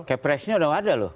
kepresnya udah ada loh